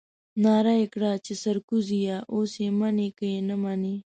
نعره يې کړه چې سرکوزيه اوس يې منې که نه منې.